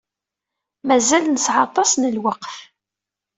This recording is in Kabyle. Mazal nesɛa aṭas n lweqt.